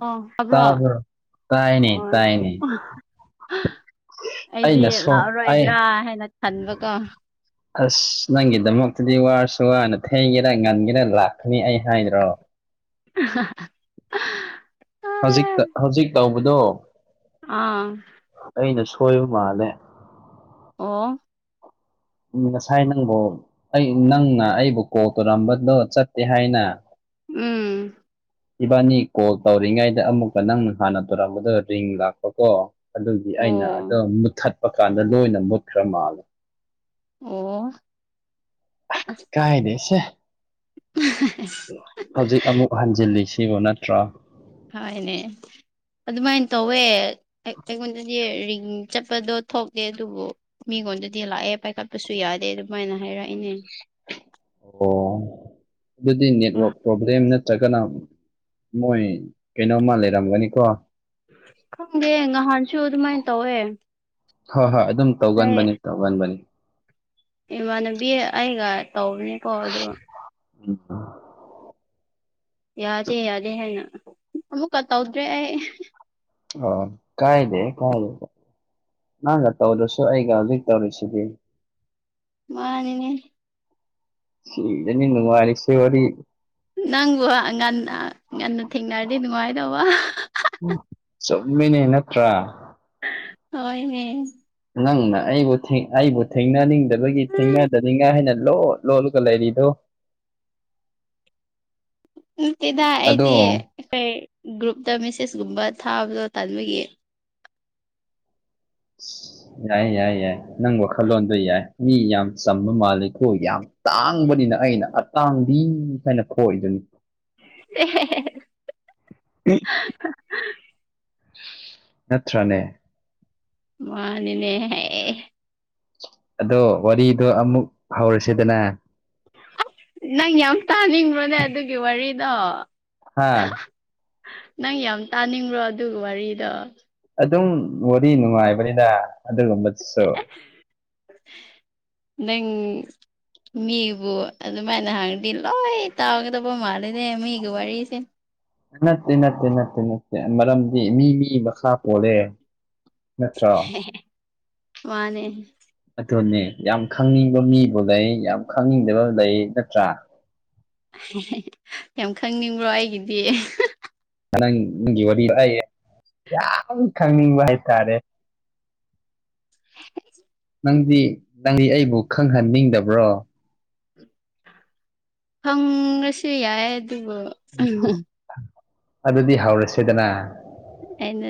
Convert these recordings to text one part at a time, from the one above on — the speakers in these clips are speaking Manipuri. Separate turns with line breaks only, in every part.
ꯑꯣ ꯇꯥꯕ꯭ꯔꯣ
ꯇꯥꯕ꯭ꯔꫭ ꯇꯥꯏꯅꯦ
ꯍꯣꯏ
ꯇꯥꯏꯅꯦ
ꯑꯩꯗꯤ
ꯑꯩꯅ ꯁꯣꯝ
ꯂꯥꯛꯑꯔꯣꯏꯗ꯭ꯔꯥ
ꯑꯩ
ꯍꯥꯏꯅ ꯈꯟꯕꯀꯣ
ꯑꯁ ꯅꯪꯒꯤꯗꯃꯛꯇꯗꯤ ꯋꯥꯔꯁꯨ ꯋꯥꯅ ꯊꯩꯒꯦꯔꯥ ꯉꯟꯒꯦꯔꯥ ꯂꯥꯛꯀꯅꯤ ꯑꯩ ꯍꯥꯏꯗ꯭ꯔꯣ
[inaudible]
ꯍꯧꯖꯤꯛꯇ ꯍꯧꯖꯤꯛ ꯇꯧꯕꯗꯣ
ꯑꯥ
ꯑꯩꯅ ꯁꯣꯏꯕ ꯃꯥꯜꯂꯦ
ꯑꯣ
ꯎꯝ ꯉꯁꯥꯏ ꯅꯪꯕꯨ ꯑꯩ ꯅꯪꯅ ꯑꯩꯕꯨ ꯀꯣꯜ ꯇꯧꯔꯝꯕꯗꯣ ꯆꯠꯇꯦ ꯍꯥꯏꯅ
ꯎꯝ꯫
ꯏꯕꯥꯅꯤ ꯀꯣꯜ ꯇꯧꯔꯤꯉꯩꯗ ꯑꯃꯨꯛꯀ ꯅꯪ ꯍꯥꯟꯅ ꯇꯧꯔꯝꯕꯗꫭ ꯔꯤꯡ ꯂꯥꯛꯄ ꯀꯣ ꯑꯗꯨꯒꯤ ꯑꯩꯅ
ꯑꯣ
ꯑꯗꯨ ꯃꯨꯠꯊꯠꯄ ꯀꯥꯟꯗ ꯂꯣꯏꯅ ꯃꯨꯠꯈ꯭ꯔꯥ ꯃꯥꯜꯂꯦ
ꯑꯣ
ꯑꯥ
ꯑꯁ
ꯀꯥꯏꯗꯦꯁꯦ
[inaudible]
ꯍꯧꯖꯤꯛ ꯑꯃꯨꯛ ꯍꯟꯖꯤꯜꯂꯤ ꯁꯤꯕꯨ ꯅꯠꯇ꯭ꯔꯣ
ꯍꯣꯏꯅꯦ ꯑꯗꯨꯃꯥꯏ ꯇꯧꯋꯦ ꯑꯩꯉꯣꯟꯗꯗꯤ ꯔꯤꯡ ꯆꯠꯄꯗꯣ ꯊꯣꯛꯇꯦ ꯑꯗꯨꯕꯨ ꯃꯤꯉꯣꯟꯗꯗꯤ ꯂꯥꯛꯑꯦ ꯄꯥꯏꯈꯠꯄꯁꯨ ꯌꯥꯗꯦ ꯑꯗꯨꯃꯥꯏꯅ ꯍꯥꯏꯔꯛꯏꯅꯦ
ꯑꯣ ꯑꯗꯨꯗꯤ ꯅꯦꯠꯋꯥꯛ ꯄ꯭ꯔꯣꯕ꯭ꯂꯦꯝ ꯅꯠ ꯅꯠꯇ꯭ꯔꯒꯅ ꯃꯣꯏ ꯀꯩꯅꯣꯝꯃ ꯂꯩꯔꯝꯒꯅꯤꯀꯣ
ꯈꯪꯗꯦ ꯉꯍꯥꯟꯁꯨ ꯑꯗꯨꯃꯥꯏ ꯇꯧꯋꯦ
ꯍꯣꯏ ꯍꯣꯏ ꯑꯗꯨꯝ
ꯍꯥꯏ
ꯇꯧꯒꯟꯕꯅꯤ ꯇꯧꯒꯟꯕꯅꯤ
ꯏꯃꯥꯟꯅꯕꯤ ꯑꯩꯒ ꯇꯧꯕꯅꯦꯀꯣ ꯑꯗꯨꯒ
ꯎꯝ ꯑꯥ
ꯌꯥꯗꯦ ꯌꯥꯗꯦ ꯍꯥꯏꯅ ꯑꯃꯨꯛꯀ ꯇꯧꯗ꯭ꯔꯦ ꯑꯩ
ꯑꯣ ꯀꯥꯏꯗꯦ ꯀꯥꯏꯗꯦ ꯅꯪꯒ ꯇꯧꯗ꯭ꯔꯥꯁꯨ ꯑꯩꯒ ꯍꯧꯖꯤꯛ ꯇꯧꯔꯤꯁꯤꯗꯤ
ꯃꯥꯅꯤꯅꯦ
ꯁꯤꯗꯅꯤ ꯅꯨꯡꯉꯥꯢꯔꯤꯁꯤ ꯋꯥꯔꯤ
ꯅꯪꯕꯨ ꯉꯥꯟꯅ ꯉꯥꯟꯅ ꯊꯦꯡꯅꯔꯗꯤ ꯅꯨꯡꯉꯥꯏꯗꯧꯕ
ꯆꯨꯝꯃꯤꯅꯦ ꯅꯠꯇ꯭ꯔꯥ
ꯍꯣꯏꯅꯦ
ꯅꯪꯅ ꯑꯩꯕꯨ ꯊꯦꯡ ꯑꯩꯕꯨ ꯊꯦꯡꯅꯅꯤꯡꯗꯕꯒꯤ ꯊꯦꯡꯅꯗꯅꯤꯡꯉꯥꯏ ꯍꯥꯏꯅ ꯂꯣꯠ ꯂꯣꯠꯂꯒ ꯂꯩꯥꯔꯤꯗꯣ
ꯅꯠꯇꯦꯗ
ꯑꯗꯣ
ꯑꯩꯗꯤ ꯀꯩ ꯒ꯭ꯔꯨꯞꯇ ꯃꯦꯁꯦꯖꯀꯨꯝꯕ ꯊꯥꯕꯗꯣ ꯇꯟꯕꯒꯤ
ꯌꯥꯏ ꯌꯥꯏ ꯌꯥꯏ ꯅꯪ ꯋꯥꯈꯜꯂꯣꯟꯗꯣ ꯌꯥꯏ ꯃꯤ ꯌꯥꯝ ꯆꯥꯝꯕ ꯃꯥꯜꯂꯦꯀꯣ ꯌꯥꯝ ꯇꯥꯡꯕꯅꯤꯅ ꯑꯩꯅ ꯑꯇꯥꯡꯕꯤ ꯍꯥꯏꯅ ꯈꫭꯏꯔꯤꯗꯨꯅꯤ
[inaudible]
[inaudible] ꯅꯠꯇ꯭ꯔꯥꯅꯦ
ꯃꯥꯅꯤꯅꯦ ꯍꯦ
ꯑꯗꯣ ꯋꯥꯔꯤꯗꯣ ꯑꯃꯨꯛ ꯍꯧꯔꯁꯤꯗꯅ
ꯑꯁ ꯅꯪ ꯌꯥꯝ ꯇꯥꯅꯤꯡꯕ꯭ꯔ ꯅꯪ ꯑꯗꯨꯒꯤ ꯋꯥꯔꯤꯗꯣ
ꯍꯥꯥ
ꯅꯪ ꯌꯥꯝ ꯇꯥꯅꯤꯡꯕ꯭ꯔꯣ ꯑꯗꯨꯒꯤ ꯋꯥꯔꯤꯗꯣ
ꯑꯗꯨꯝ ꯋꯥꯔꯤ ꯅꯨꯡꯉꯥꯏꯕꯅꯤꯗ ꯑꯗꯨꯒꯨꯝꯕꯗꯁꯨ
ꯅꯪ ꯃꯤꯕꯨ ꯑꯗꯨꯃꯥꯏꯅ ꯍꯥꯡ ꯗꯤ ꯂꯣꯢ ꯇꯥꯎꯒ ꯇꯧꯕꯣ ꯃꯥꯜꯂꯤꯅꯦ ꯃꯤꯒꯤ ꯋꯤꯔꯤꯁꯦ
ꯅꯠꯇꯦ ꯅꯠꯇꯦ ꯅꯠꯇꯦ ꯅꯠꯇꯦ ꯃꯔꯝꯗꯤ ꯃꯤ ꯃꯤ ꯃꯈꯥ ꯄꯣꯜꯂꯦ ꯅꯠꯇ꯭ꯔꯣ
ꯃꯥꯅꯦ
ꯑꯗꯨꯅꯦ ꯌꯥꯝ ꯈꯪꯅꯤꯡꯕ ꯃꯤꯕꯨ ꯂꯩ ꯌꯥꯝ ꯈꯪꯅꯤꯡꯗꯕ ꯂꯩ ꯅꯠꯇ꯭ꯔꯥ
ꯌꯥꯝ ꯈꯪꯅꯤꯡꯕ꯭ꯔꯣ ꯑꯩꯒꯤꯗꯤ
ꯅꯪ ꯅꯪꯒꯤ ꯋꯥꯔꯤ ꯑꯩ ꯌꯥꯝ ꯈꯪꯅꯤꯡꯕ ꯍꯥꯏꯇꯥꯔꯦ [inaudible] ꯅꯪꯗꯤ ꯅꯪꯗꯤ ꯑꯩꯕꯨ ꯈꯪꯍꯟꯅꯤꯡꯗꯕ꯭ꯔꯣ
ꯈꯪꯉꯁꯨ ꯌꯥꯏ ꯑꯗꯨꯕꯨ
ꯑꯗꯨꯗꯤ ꯍꯧꯔꯁꯤꯗꯅ
ꯑꯩꯅ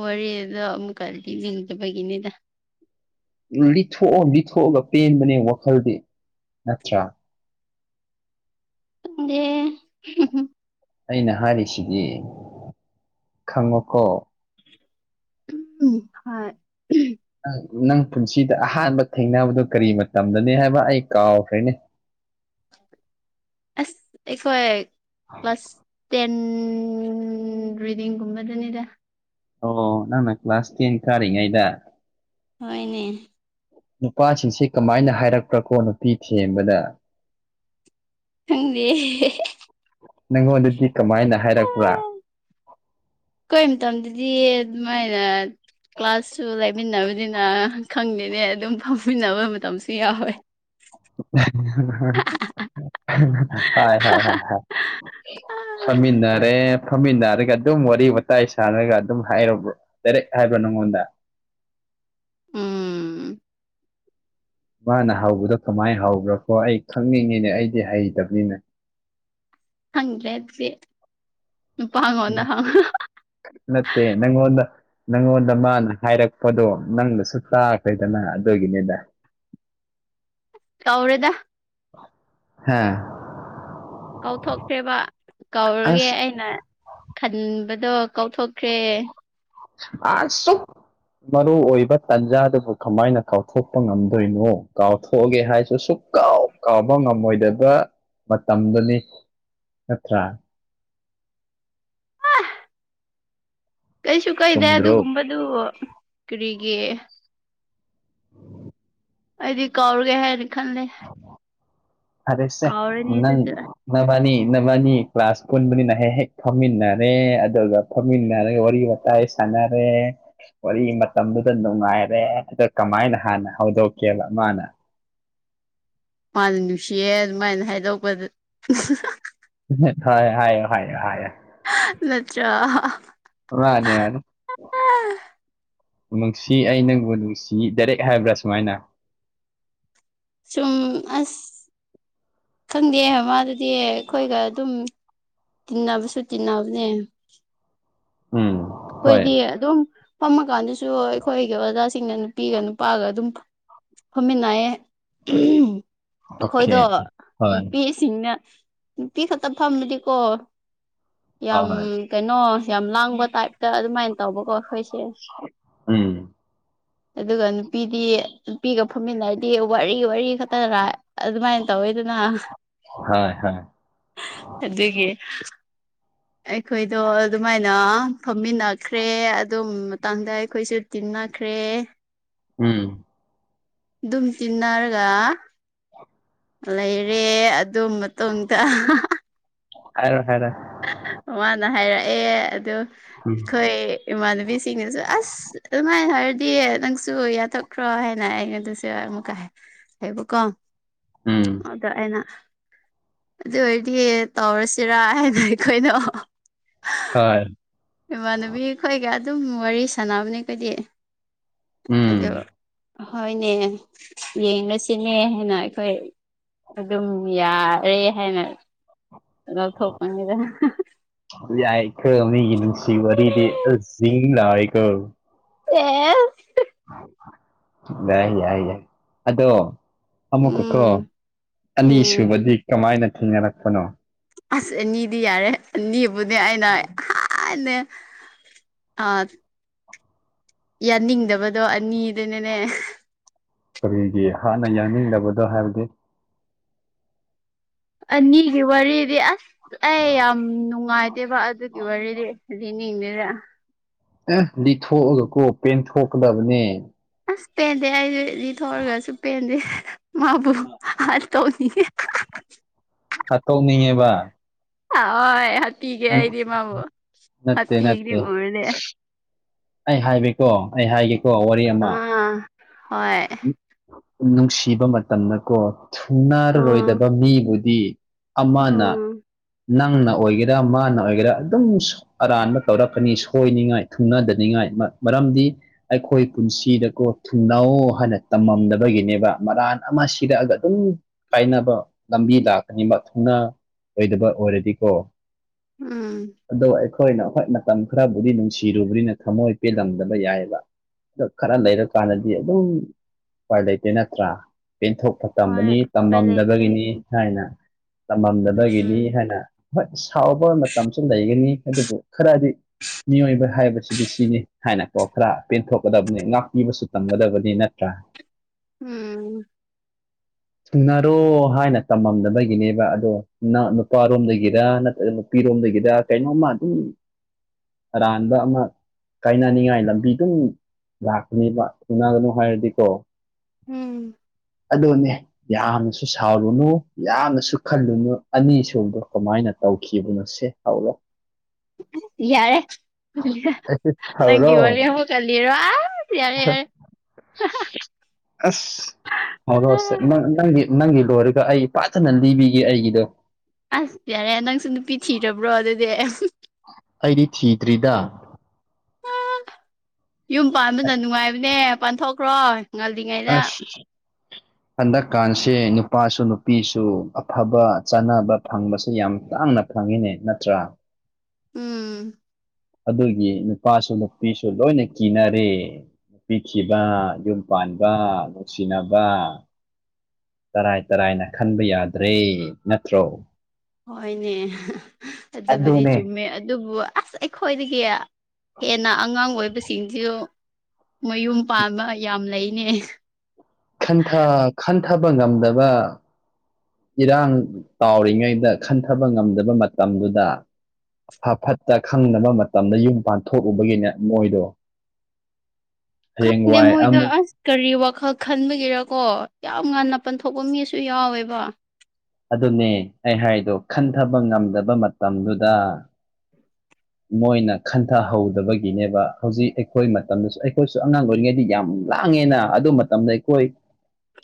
ꯋꯥꯔꯤꯗꯣ ꯑꯃꯨꯛꯀ ꯂꯤꯅꯤꯡꯗꯕꯒꯤꯅꯤꯗ
ꯂꯤꯊꯣꯛꯑꯣ ꯂꯤꯊꯣꯛꯑꯒ ꯄꯦꯟꯕꯅꯦ ꯋꯥꯈꯜꯗꯤ ꯅꯠꯇ꯭ꯔꯥ
ꯈꯪꯗꯦ
ꯑꯩꯅ ꯍꯥꯏꯔꯤꯁꯤꯗꯤ ꯈꯪꯉꯣꯀꯣ
ꯎꯝ ꯍꯣꯏ
ꯅꯪ ꯅꯪ ꯄꯨꯟꯁꯤꯗ ꯑꯍꯥꯟꯕ ꯊꯦꯡꯅꯕꯗꯣ ꯀꯔꯤ ꯃꯇꯝꯗꯅꯤ ꯍꯥꯏꯕ ꯑꯩ ꯀꯥꯎꯈ꯭ꯔꯦꯅꯦ
ꯑꯁ ꯑꯩꯈꯣꯏ ꯀ꯭ꯂꯥꯁ ꯇꯦꯟ ꯔꯤꯗꯤꯡ ꯒꯨꯝꯕꯗꯅꯦꯗ
ꯑꯣ ꯅꯪꯅ ꯀ꯭ꯂꯥꯁ ꯇꯦꯟ ꯀꯔꯤꯉꯩꯗ
ꯍꯣꯏꯅꯦ
ꯅꯨꯄꯥꯁꯤꯡꯁꯦ ꯀꯃꯥꯏꯅ ꯍꯥꯏꯔꯛꯄ꯭ꯔꯀꯣ ꯅꯨꯄꯤ ꯊꯦꯝꯕꯗ
ꯈꯪꯗꯦ
ꯅꯪꯉꯣꯟꯗꯗꯤ ꯀꯃꯥꯏꯅ ꯍꯥꯏꯔꯛꯄ꯭ꯔꯥ
ꯈꯣꯏ ꯃꯇꯝꯗꯗꯤ ꯑꯗꯨꯃꯥꯏꯅ ꯀ꯭ꯂꯥꯁꯁꯨ ꯂꯩ ꯃꯤꯟꯅꯕꯅꯤꯅ ꯈꯪꯗꯅꯦ ꯑꯗꯨꯝ ꯐꯝꯃꯤꯟꯅꯕ ꯃꯇꯝꯁꯨ ꯌꯥꯎꯋꯦ
ꯍꯣꯏ ꯍꯣꯏ ꯍꯣꯏ ꯐꯝꯃꯤꯟꯅꯔꯦ ꯐꯝꯃꯤꯟꯅꯔꯒ ꯑꯗꯨꯝ ꯋꯥꯔꯤ ꯋꯥꯇꯥꯏ ꯁꯥꯟꯅꯔꯒ ꯑꯗꯨꯝ ꯍꯥꯏꯔꯕꯣ ꯗꯥꯏꯔꯦꯛ ꯍꯥꯏꯕ꯭ꯔꯣ ꯅꯪꯉꯣꯟꯗ
ꯎꯝ
ꯃꯥꯅ ꯍꯧꯕꯗꯣ ꯀꯃꯥꯏ ꯍꯧꯕꯔꯀꯣ ꯑꯩ ꯈꯪꯅꯤꯡꯉꯤꯅꯦ ꯑꯩꯗꯤ ꯍꯩꯇꯕꯅꯤꯅ
ꯈꯪꯗ꯭ꯔꯦ ꯑꯗꯨꯗꯤ ꯅꯨꯄꯥ ꯉꯣꯟꯗ ꯍꯪꯉꯣ
ꯅꯠꯇꯦ ꯅꯪꯉꯣꯟꯗ ꯅꯪꯉꯣꯟꯗ ꯃꯥꯅ ꯍꯥꯏꯔꯛꯄꯗꯣ ꯅꯪꯅꯁꯨ ꯀꯈ꯭ꯔꯦꯗꯅ ꯑꯗꯨꯒꯤꯅꯤꯗ [inaudible]
ꯀꯧꯔꯦꯗ
ꯍꯥ
ꯀꯧꯊꯣꯛꯈꯔꯦꯕ ꯀꯧꯔꯒꯦ
ꯑꯁ
ꯑꯩꯅ ꯈꯟꯕꯗꯣ ꯀꯧꯊꯣꯛꯈ꯭ꯔꯦ
[unintelligible] ꯃꯔꯨ ꯑꯣꯏꯕ ꯇꯥꯟꯖꯥꯗꯨꯕꯨ ꯀꯃꯥꯏꯅ ꯀꯥꯎꯊꯣꯛꯄ ꯉꯝꯗꯣꯏꯅꯣ ꯀꯥꯎ ꯊꯣꯛꯑꯒꯦ ꯍꯥꯏꯁꯨ ꯁꯨꯛ ꯀꯥꯎ ꯀꯥꯎꯕ ꯉꯝꯃꯣꯏꯗꯕ ꯃꯇꯝꯗꯅꯤ ꯅꯠꯇ꯭ꯔ
ꯀꯩꯁꯨ ꯀꯩꯗꯦ
ꯆꯨꯝꯗ꯭ꯔꯣ
ꯑꯗꯨꯒꯨꯝꯕꯗꯨ ꯀꯨꯔꯤꯒꯤ ꯑꯩꯗꯤ ꯀꯥꯎꯔꯒꯦ ꯍꯥꯏꯅ ꯈꯟꯂꯦ
ꯐꯔꯦꯁꯦ ꯅꯪ
ꯑꯗꯨꯁꯨ
ꯅꯕꯅꯤ ꯅꯕꯅꯤ ꯀ꯭ꯂꯥꯁ ꯄꯨꯟꯕꯅꯤꯅ ꯍꯦꯛ ꯍꯦꯛ ꯐꯝꯃꯤꯟꯅꯔꯦ ꯑꯗꯨꯒ ꯐꯝꯃꯤꯟꯅꯔꯒ ꯋꯥꯔꯤ ꯋꯥꯇꯥꯥꯏ ꯁꯟꯅꯔꯦ ꯋꯥꯔꯤ ꯃꯇꯝꯗꯨꯗ ꯅꯨꯡꯉꯥꯏꯔꯦ ꯑꯗ ꯀꯃꯥꯏꯅ ꯍꯥꯟꯅ ꯍꯧꯗꯣꯛꯀꯦꯕ ꯃꯥꯅ
ꯃꯥꯟꯅ ꯅꯨꯡꯁꯤꯌꯦ ꯑꯗꯨꯃꯥꯏꯅ ꯍꯥꯏꯗꯣꯛꯄꯗ ꯍꯍꯥ
ꯍꯣꯏ ꯍꯥꯏꯌꯣ ꯍꯥꯏꯌꯣ ꯍꯥꯏꯌꯣ
ꯍꯥ ꯅꯠꯇ꯭ꯔ ꯍꯍ
ꯃꯅꯦ ꯃꯅꯦ ꯅꯨꯡꯁꯤ ꯑꯩ ꯅꯪꯕꯨ ꯅꯨꯡꯁꯤ ꯗꯥꯏꯔꯦꯛ ꯍꯥꯏꯕ꯭ꯔꯥ ꯁꯨꯃꯥꯏꯅ
ꯁꯨꯝ ꯑꯁ ꯈꯪꯗꯦ ꯃꯥꯗꯨꯗꯤ ꯑꯩꯈꯣꯏꯒ ꯑꯗꯨꯝ ꯇꯤꯟꯅꯕꯁꯨꯨ ꯇꯤꯟꯅꯕꯅꯦ
ꯎꯝ
ꯑꯈꯣꯏꯗꯤ
ꯍꯣꯏ
ꯑꯗꯨꯝ ꯐꯝꯃꯀꯥꯟꯗꯁꯨ ꯑꯩꯈꯣꯏꯒꯤ ꯑꯣꯖꯥꯁꯤꯡꯅ ꯅꯨꯄꯤꯒ ꯅꯨꯄꯥꯒ ꯑꯗꯨꯝ ꯐꯃꯤꯟꯅꯩꯌꯦ ꯍꯝ ꯑꯩꯈꯣꯏꯗꯣ
ꯑꯣꯀꯦ ꯍꯣꯏ
ꯅꯨꯄꯤ ꯁꯤꯡꯅ ꯅꯨꯄꯤ ꯈꯛꯇ ꯐꯝꯃꯗꯤꯀꯣ ꯌꯥꯝ
ꯍꯣꯏ
ꯀꯩꯅꯣ ꯌꯥꯝ ꯂꯥꯡꯕ ꯇꯥꯏꯞꯇ ꯑꯗꯨꯃꯥꯏꯅ ꯇꯧꯕꯀꯣ ꯑꯩꯈꯣꯏꯁꯦ
ꯎꯝ
ꯑꯗꯨꯒ ꯅꯨꯄꯤꯗꯤ ꯅꯨꯄꯤꯒ ꯐꯝꯃꯤꯟꯅꯔꯗꯤ ꯋꯥꯔꯤ ꯋꯥꯔꯤ ꯈꯛ ꯇꯔꯥꯏ ꯑꯗꯨꯃꯥꯏꯅ ꯇꯧꯋꯦꯗꯅ
ꯍꯣꯏ ꯍꯣꯏ
ꯑꯗꯨꯒꯤ ꯑꯩꯈꯣꯏꯗꯣ ꯑꯗꯨꯃꯥꯏꯅ ꯐꯝꯃꯤꯟꯅꯈ꯭ꯔꯦ ꯑꯗꯨ ꯃꯇꯥꯡꯗ ꯑꯩꯈꯣꯏꯁꯨ ꯇꯤꯟꯅꯈ꯭ꯔꯦ
ꯎꯝ
ꯑꯗꯨꯝ ꯇꯤꯟꯅꯔꯒ ꯂꯩꯔꯦ ꯑꯗꯨ ꯃꯇꯨꯡꯗ
ꯍꯥꯏꯔꯣ ꯍꯥꯏꯔꯣ
ꯃꯥꯅ ꯍꯥꯏꯔꯛꯑꯦ ꯑꯗꯨ
ꯎꯝ
ꯑꯩꯈꯣꯏ ꯏꯃꯥꯟꯅꯕꯤꯁꯤꯡꯅꯁꯨ ꯑꯁ ꯑꯗꯨꯃꯥꯏꯅ ꯍꯥꯏꯔꯗꯤ ꯅꯪꯁꯨ ꯌꯥꯊꯣꯛꯈ꯭ꯔꯣ ꯍꯥꯏꯅ ꯑꯩꯉꯣꯟꯗꯁꯨ ꯁꯤ ꯑꯃꯨ ꯀꯥꯏ ꯍꯥꯏꯕ ꯀꯣ
ꯎꯝ
ꯑꯗꯣ ꯑꯩꯅ ꯑꯗꯨ ꯑꯣꯏꯔꯗꯤ ꯇꯧꯔꯁꯤꯔ ꯑꯩꯈꯣꯏꯗꯣ
ꯍꯣꯏ
ꯏꯃꯥꯟꯅꯕꯤ ꯑꯩꯈꯣꯏꯒ ꯑꯗꯨꯝ ꯋꯥꯔꯤ ꯁꯥꯟꯅꯕꯅꯤ ꯑꯩꯈꯣꯏꯗꯤ
ꯎꯝ
ꯑꯗꯨ ꯍꯣꯏꯅꯦ ꯌꯦꯡꯉꯁꯤꯅꯦ ꯍꯥꯏꯅ ꯑꯩꯈꯣꯏ ꯑꯗꯨꯝ ꯌꯥꯔꯦ ꯍꯥꯏꯅ ꯂꯧꯊꯣꯛꯄꯅꯤꯗꯅ
ꯌꯥꯏ ꯀꯣ ꯃꯤꯒꯤ ꯅꯨꯡꯁꯤ ꯋꯥꯔꯤꯗꯤ ꯑ ꯖꯤꯡ ꯂꯥꯎꯋꯤꯀꯣ
ꯑꯦꯁ
ꯌꯥꯏ ꯌꯥꯏ ꯌꯥꯏ ꯑꯗꯣ ꯑꯃꯨꯀꯀꯣ
ꯎꯝ ꯎꯝ
ꯑꯅꯤꯁꯨꯕꯗꯤ ꯀꯃꯥꯏꯅ ꯊꯨꯡꯅꯔꯛꯄꯅꯣ
ꯑꯁ ꯑꯅꯤꯗꯤ ꯌꯥꯔꯦ ꯑꯅꯤꯕꯨꯗꯤ ꯑꯩꯅ ꯏꯍꯥꯟꯅ ꯑ ꯌꯥꯅꯤꯡꯗꯕꯗꯣ ꯑꯅꯤꯗꯨꯅꯤꯅꯦ
ꯀꯔꯤꯒꯤ ꯍꯥꯟꯅ ꯌꯥꯡꯅꯤꯡꯗꯕꯗꯣ ꯍꯥꯏꯕꯗꯤ
ꯑꯅꯤꯒꯤ ꯋꯥꯔꯤꯗꯤ ꯑꯁ ꯑꯩ ꯌꯥꯝ ꯅꯨꯡꯉꯥꯏꯇꯦꯕ ꯑꯗꯨꯒꯤ ꯋꯥꯔꯤꯗꯤ ꯂꯤꯅꯤꯡꯗꯦꯗ
ꯑꯦ ꯂꯤꯊꯣꯛꯑꯒ ꯀꯣ ꯄꯦꯟꯊꯣꯛꯀꯗꯕꯅꯦ
ꯑꯁ ꯄꯦꯟꯗꯦ ꯑꯩ ꯂꯤꯊꯣꯛꯑꯒꯁꯨ ꯄꯦꯟꯗꯦ ꯃꯥꯕꯨ ꯇꯧꯅꯤꯉꯦ
ꯍꯥꯠꯇꯣꯛ ꯅꯤꯉꯦꯕ
ꯍꯣꯏ ꯍꯥꯠꯄꯤꯒꯦ ꯑꯩꯗꯤ ꯃꯥꯕꯨ
ꯅꯠꯇꯦ
ꯍꯥꯠꯄꯤꯒꯤꯗꯤ
ꯅꯠꯇꯦ
ꯎꯔꯗꯤ
ꯑꯩ ꯍꯥꯏꯒꯦꯀꯣ ꯑꯩ ꯍꯥꯏꯒꯦ
ꯑꯥ ꯍꯣꯏ
ꯅꯨꯡꯁꯤꯕ ꯃꯇꯝꯗꯀꯣ
ꯑꯥ
ꯊꯨꯡꯅꯔꯔꯣꯏꯗꯕ ꯃꯤꯕꯨꯗꯤ ꯑꯃꯅ
ꯎꯝ
ꯅꯪꯅ ꯑꯣꯏꯒꯦꯔꯥ ꯃꯥꯅ ꯑꯣꯏꯒꯦꯔꯥ ꯑꯗꯨꯝ ꯑꯔꯥꯟꯕ ꯇꯧꯔꯛꯀꯅꯤ ꯁꯣꯏꯅꯤꯡꯉꯥꯏ ꯊꯨꯡꯅꯗꯅꯤꯡꯉꯥꯏ ꯃꯔꯝꯗꯤ ꯑꯩꯈꯣꯏ ꯄꯨꯟꯁꯤꯗꯀꯣ ꯊꯨꯡꯅꯧ ꯍꯥꯏꯅ ꯇꯃꯝꯗꯕꯒꯤꯅꯦꯕ ꯃꯔꯥꯟ ꯑꯃ ꯁꯤꯔꯛꯑꯒ ꯑꯗꯨꯝ ꯀꯥꯏꯅꯕ ꯂꯝꯕꯤ ꯂꯥꯛꯀꯅꯤꯕ ꯊꯨꯡꯅꯥ ꯑꯣꯏꯗꯕ ꯑꯣꯏꯔꯗꯤꯀꯣ
ꯎꯝ
ꯑꯗꯣ ꯑꯩꯈꯣꯏꯅ ꯍꯣꯏ ꯃꯇꯝ ꯈꯔꯕꯨꯗꯤ ꯅꯨꯡꯁꯤꯔꯨꯕꯅꯤꯅ ꯊꯝꯃꯣꯏ ꯄꯦꯜꯂꯝꯗꯕ ꯌꯥꯏꯑꯦꯕ ꯗꯣ ꯈꯔ ꯂꯩꯔ ꯀꯥꯟꯗꯗꯤ ꯑꯗꯨꯝ ꯎꯄꯥꯏ ꯂꯩꯇꯦ ꯅꯠꯇ꯭ꯔꯥ ꯄꯦꯟꯊꯣꯛꯄ
ꯍꯣꯏ
ꯇꯝꯕꯅꯤ
ꯎꯄꯥꯏ ꯂꯩꯇ꯭ꯔꯦ
ꯇꯃꯝꯗꯕꯒꯤꯅꯤ ꯍꯥꯏꯅ ꯇꯝꯃꯝꯗꯕꯒꯤꯅꯤ
ꯎꯝ
ꯍꯥꯏꯅ ꯍꯣꯏ ꯁꯥꯎꯕ ꯃꯇꯝꯁꯨ ꯂꯩꯒꯅꯤ ꯑꯗꯨꯕꯨ ꯈꯔꯗꯤ ꯃꯤꯑꯣꯏꯕ ꯍꯥꯏꯕꯁꯤꯗꯤ ꯁꯤꯅꯤ ꯍꯥꯏꯅꯀꯣ ꯈꯔ ꯄꯦꯟꯊꯣꯛꯀꯗꯕꯅꯤ ꯉꯥꯛꯄꯤꯕꯁꯨ ꯇꯝꯒꯗꯕꯅꯤꯅ ꯇ꯭ꯔꯥ
ꯎꯝ
[inaudible] ꯊꯨꯅꯔꯣ ꯍꯥꯏꯅ ꯇꯃꯝꯗꯕꯒꯤꯅꯦꯕ ꯑꯗꯣ ꯅꯨꯄꯥꯔꯣꯝꯗꯒꯤꯔ ꯅꯠꯇ꯭ꯔꯒ ꯅꯨꯄꯤꯔꯣꯝꯗꯒꯤꯗ ꯀꯩꯅꯣꯝꯃ ꯑꯗꯨꯝ ꯑꯔꯥꯟꯕ ꯑꯃ ꯀꯥꯏꯅꯅꯤꯡꯉꯥꯏ ꯂꯝꯕꯤꯗꯨꯝ ꯂꯥꯛꯄꯅꯦꯕ ꯊꯨꯡꯅꯒꯅꯣ ꯍꯥꯏꯔꯗꯤꯀꯣ
ꯎꯝ
ꯑꯗꯨꯅꯦ ꯌꯥꯝꯅꯁꯨ ꯁꯥꯎꯔꯨꯅꯨ ꯌꯥꯝꯅꯁꯨ ꯈꯜꯂꯨꯅꯨ ꯑꯅꯤ ꯁꯨꯕꯗꯣ ꯀꯃꯥꯏꯅ ꯇꯧꯈꯤꯕ ꯅꯣꯁꯦ [unintelligible]
ꯌꯥꯔꯦ
ꯑꯩꯁꯨ
ꯅꯪꯒꯤ
ꯍꯧꯔꯣ
ꯋꯥꯔꯤ ꯑꯃꯒ ꯂꯤꯔꯣ ꯑꯁ ꯌꯥꯔꯦ ꯌꯥꯔꯦ
ꯑꯁ ꯍꯧꯔꯛꯑꯣꯁꯦ
ꯑꯥ
ꯅꯪ ꯅꯪꯒꯤ ꯂꯣꯔ ꯑꯩ ꯐꯖꯅ ꯂꯤꯕꯤꯒꯦ ꯑꯩꯒꯤꯗꯣ
ꯑꯁ ꯌꯥꯔꯦ ꯅꯪꯁꯨ ꯅꯨꯄꯤ ꯊꯤꯔꯕ꯭ꯔꯣ ꯑꯗꯨꯗꯤ
ꯑꯩꯗꯤ ꯊꯤꯗ꯭ꯔꯤꯗ
ꯌꯨꯝ ꯄꯥꯟꯕꯅ ꯅꯨꯡꯉꯥꯏꯕꯅꯦ ꯄꯥꯟꯊꯣꯛꯈ꯭ꯔꯣ ꯉꯜꯂꯤꯉꯩꯗ
ꯑꯁ ꯍꯟꯗꯛꯀꯥꯟꯁꯦ ꯅꯨꯄꯥꯁꯨ ꯅꯨꯄꯤꯁꯨ ꯑꯐꯕ ꯆꯥꯟꯅꯕ ꯐꯪꯕꯁꯦ ꯌꯥꯝ ꯇꯥꯡꯅ ꯐꯪꯉꯦꯅꯦ ꯅꯠꯇ꯭ꯔꯥ
ꯎꯝ
ꯑꯗꯨꯒꯤ ꯅꯨꯄꯥꯁꯨ ꯅꯨꯄꯤꯁꯨ ꯂꯣꯏꯅ ꯀꯤꯅꯔꯦ ꯅꯨꯄꯤꯊꯤꯕ ꯌꯨꯝ ꯄꯥꯟꯕ ꯅꯨꯡꯁꯤꯅꯕ ꯇꯔꯥꯏ ꯇꯔꯥꯏꯅ ꯈꯟꯕ ꯌꯥꯗ꯭ꯔꯦ ꯅꯠꯇ꯭ꯔꯣ
ꯍꯣꯏꯅꯦ ꯑꯗꯨꯕꯨꯗꯤ
ꯑꯗꯨꯅꯦ
ꯆꯨꯝꯃꯦ ꯑꯗꯨꯕꯨ ꯑꯁ ꯑꯩꯈꯣꯏꯗꯒꯤ ꯍꯦꯟꯅ ꯑꯉꯥꯡ ꯑꯣꯏꯕꯁꯤꯡꯁꯤꯁꯨ ꯃꯌꯨꯝ ꯄꯥꯟꯕ ꯌꯥꯝ ꯂꯩꯅꯦ
ꯈꯟꯊ ꯈꯟꯊꯕ ꯉꯝꯗꯕ ꯏꯔꯥꯡ ꯇꯥꯎꯔꯤꯉꯩꯗ ꯈꯟꯊꯕ ꯉꯝꯗꯕ ꯃꯇꯝꯗꯨꯗ ꯐ ꯐꯠꯇ ꯈꯪꯗꯕ ꯃꯇꯝꯗ ꯌꯨꯝ ꯄꯥꯟꯊꯣꯛꯎꯕꯒꯤꯅꯦ ꯃꯣꯏꯗꯣ ꯍꯌꯦꯡ
ꯈꯪꯗꯦ
ꯋꯥꯏ
ꯃꯣꯏꯗꯣ
ꯑꯃꯨꯛ
ꯑꯁ ꯀꯔꯤ ꯋꯥꯈꯜ ꯈꯟꯕꯒꯤꯔꯀꯣ ꯌꯥꯝ ꯉꯟꯅ ꯄꯥꯟ ꯊꯣꯛꯄ ꯃꯤꯁꯨ ꯌꯥꯎꯋꯦꯕ
ꯑꯗꯨꯅꯦ ꯑꯩ ꯍꯥꯏꯗꯣ ꯈꯟꯊꯕ ꯉꯝꯗꯕ ꯃꯇꯝꯗꯨꯗ ꯃꯣꯏꯅ ꯈꯟꯊꯍꯧꯗꯕꯒꯤꯅꯦꯕ ꯍꯧꯖꯤꯛ ꯑꯩꯈꯣꯏ ꯃꯇꯝꯗꯁꯨ ꯑꯩꯈꯣꯏꯁꯨ ꯑꯉꯥꯡ ꯑꯣꯏꯔꯤꯉꯩꯗꯤ ꯌꯥꯝ ꯂꯥꯡꯉꯦꯅ ꯑꯗꯨ ꯃꯇꯝꯗ ꯑꯩꯈꯣꯏ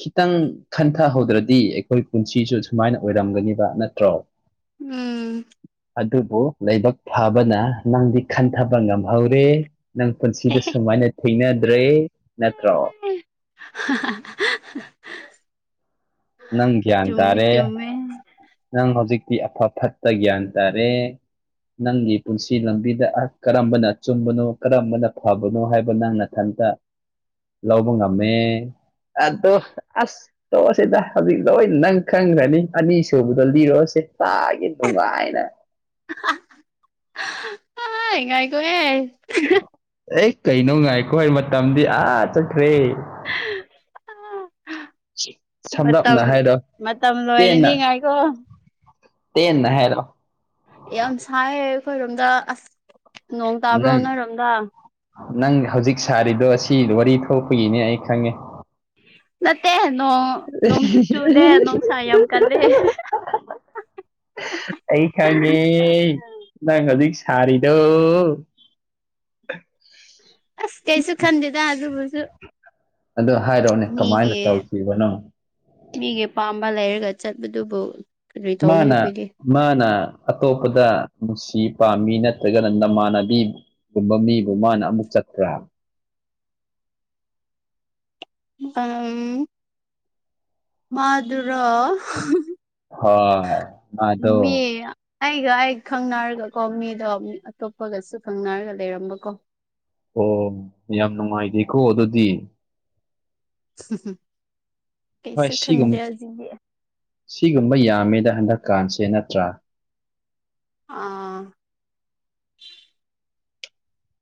ꯈꯤꯇꯪ ꯈꯟꯊꯍꯧꯗ꯭ꯔꯗꯤ ꯑꯩꯈꯣꯏ ꯄꯨꯟꯁꯤꯁꯨ ꯁꯨꯃꯥꯏꯅ ꯑꯣꯏꯔꯝꯒꯅꯤꯕ ꯅꯠꯇ꯭ꯔꯣ [inaudible]
ꯎꯝ
ꯑꯗꯨꯕꯨ ꯂꯥꯏꯕꯛ ꯐꯕꯅ ꯅꯪꯗꯤ ꯈꯟꯊꯕ ꯉꯝꯍꯧꯔꯦ ꯅꯪ ꯄꯨꯟꯁꯤꯗ ꯁꯨꯃꯥꯏꯅ ꯊꯦꯡꯅꯗ꯭ꯔꯦ ꯅꯠꯇ꯭ꯔꯣ
[unintelligible]
ꯅꯪ ꯒ꯭ꯌꯥꯟ
ꯆꯨꯝꯃꯦ
ꯇꯥꯔꯦ
ꯆꯨꯝꯃꯦ
ꯅꯪ ꯍꯧꯖꯤꯛꯇꯤ ꯑꯐ ꯐꯠꯇ ꯒ꯭ꯌꯥꯟ ꯇꯥꯔꯦ ꯅꯪꯒꯤ ꯄꯨꯟꯁꯤ ꯂꯝꯕꯤꯗ ꯀꯔꯝꯕꯅ ꯑꯆꯨꯝꯕꯅꯣ ꯀꯔꯝꯕꯅ ꯐꯕꯅꯣ ꯍꯥꯏꯕ ꯅꯪ ꯅꯊꯟꯇ ꯂꯧꯕ ꯉꯝꯃꯦ ꯑꯗꯣ ꯑꯁ ꯇꯣꯛꯑꯁꯤꯗ ꯍꯧꯖꯤꯛ ꯂꯣꯏ ꯅꯪ ꯈꯪꯈ꯭ꯔꯅꯤ ꯑꯅꯤꯁꯨꯕꯗꯣ ꯂꯤꯔꯣ ꯁꯦ ꯇꯥꯒꯦ ꯅꯨꯡꯉꯥꯏꯅ
ꯑ ꯉꯥꯏꯈꯣꯍꯦ
ꯑꯦ ꯀꯩꯅꯣ ꯉꯥꯏꯈꯣꯍꯦ ꯃꯇꯝꯗꯤ ꯑꯥ ꯆꯠꯈ꯭ꯔꯦ
ꯃꯇꯝ
ꯁꯝꯂꯞꯅ ꯍꯥꯏꯔꯣ
ꯃꯇꯝ
ꯇꯦꯟꯅ
ꯂꯣꯏꯔꯅꯤ ꯉꯥꯏꯈꯣ
ꯇꯦꯟꯅ ꯍꯥꯏꯔꯛꯑꯣ
ꯌꯥꯝ ꯁꯥꯏꯌꯦ ꯑꯩꯈꯣꯏꯔꯣꯝꯗ ꯑꯁ ꯅꯣꯡ ꯇꯥꯕ꯭ꯔꯣ
ꯅꯪ
ꯅꯣꯏꯔꯣꯝꯗ
ꯅꯪ ꯍꯧꯖꯤꯛ ꯁꯥꯔꯤꯗꯣ ꯑꯁꯤ ꯋꯥꯔꯤ ꯊꯣꯛꯄꯒꯤꯅꯦ ꯑꯩ ꯈꯪꯉꯦ
ꯅꯠꯇꯦ ꯅꯣꯡ ꯅꯣꯡꯁꯨ ꯆꯨꯗꯦ ꯅꯨꯡꯁꯥ ꯌꯥꯝ ꯀꯜꯂꯦ
ꯑꯩ ꯈꯪꯉꯦ ꯅꯪ ꯍꯧꯖꯤꯛ ꯁꯥꯔꯤꯗꯣ
ꯑꯁ ꯀꯩꯁꯨ ꯈꯟꯗꯦꯗ ꯑꯗꯨꯕꯨꯁꯨ
ꯑꯗꯨ ꯍꯥꯏꯔꯛꯑꯣꯅꯦ ꯀꯃꯥꯏꯅ
ꯃꯤꯒꯤ
ꯇꯧꯁꯤꯕꯅꯣ
ꯃꯤꯒꯤ ꯑꯄꯥꯝꯕ ꯂꯩꯔꯒ ꯆꯠꯄꯗꯨꯕꯨ ꯀꯔꯤ ꯇꯧꯅꯤ
ꯃꯥꯅ
ꯑꯩꯈꯣꯏꯗꯤ
ꯃꯥꯅ ꯑꯇꯣꯞꯄꯗ ꯅꯨꯡꯁꯤ ꯄꯥꯝꯃꯤ ꯅꯠꯇ꯭ꯔꯒꯅ ꯅꯃꯥꯟꯅꯕꯤ ꯒꯨꯝꯕ ꯃꯤꯕꯨ ꯃꯥꯅ ꯑꯃꯨꯛ ꯆꯠꯈ꯭ꯔꯥ
ꯎꯝ ꯃꯥꯗꯨꯨꯔꯣ
ꯍꯣꯏ ꯃꯥꯗꯣ
ꯃꯦ ꯑꯩꯒ ꯑꯩ ꯈꯪꯅꯔꯒꯀꯣ ꯃꯤꯗꯣ ꯃꯤ ꯑꯇꯣꯞꯄꯒꯁꯨ ꯈꯪꯅꯔꯒ ꯂꯩꯔꯝꯕꯀꯣ
ꯑꯣ ꯌꯥꯝ ꯅꯨꯡꯉꯥꯏꯇꯦꯀꯣ ꯑꯗꯨꯗꯤ
[unintelligible]
ꯍꯣꯏ
ꯀꯩꯁꯨ
ꯁꯤꯒꯨꯝ
ꯈꯟꯗ꯭ꯔꯦ ꯍꯧꯖꯤꯛꯇꯤ
ꯁꯤꯒꯨꯝꯕ ꯌꯥꯝꯃꯦꯗ ꯍꯟꯗꯛꯀꯥꯟꯁꯦ ꯅꯠꯇ꯭ꯔꯥ
ꯑꯥ